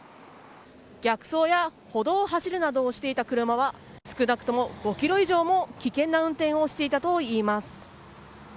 逆走や歩道を走るなどしていた車は少なくとも５ｋｍ以上も危険な運転をしていたといいます。